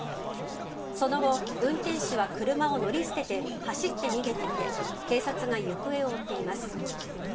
その後、運転手は車を乗り捨てて走って逃げていて警察が行方を追っています。